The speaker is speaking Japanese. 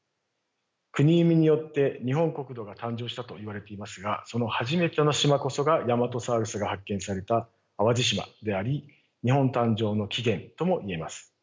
国生みによって日本国土が誕生したといわれていますがその初めての島こそがヤマトサウルスが発見された淡路島であり日本誕生の起源ともいえます。